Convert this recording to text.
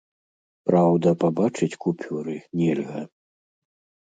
Праўда, пабачыць купюры нельга.